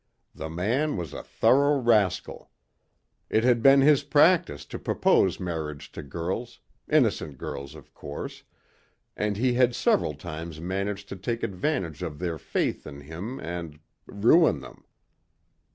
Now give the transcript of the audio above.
The man was a thorough rascal. It had been his practise to propose marriage to girls innocent girls of course, and he had several times managed to take advantage of their faith in him and ruin them."